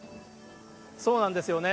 そうなんですよね。